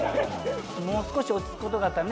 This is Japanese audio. もう少し落ち着くことがあったら。